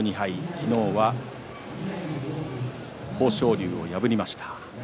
昨日は豊昇龍を破りました。